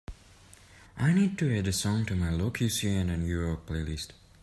I need to add a song to my lo que suena new york playlist.